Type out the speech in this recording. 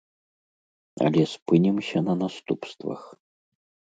Але спынімся на наступствах.